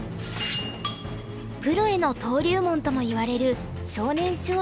プロへの登竜門ともいわれる少年少女囲碁大会。